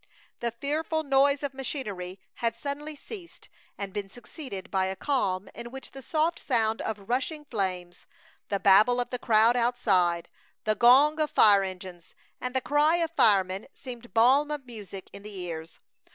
The fearful noise of machinery had suddenly ceased and been succeeded by a calm in which the soft sound of rushing flames, the babble of the crowd outside, the gong of fire engines, and the cry of firemen seemed balm of music in the ears.